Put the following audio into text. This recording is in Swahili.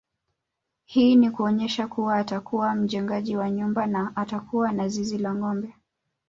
Hii ni kuonyesha kuwa atakuwa mjengaji wa nyumba na atakuwa na zizi la ngombe